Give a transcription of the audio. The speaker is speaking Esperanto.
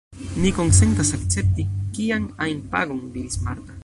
Mi konsentas akcepti kian ajn pagon, diris Marta.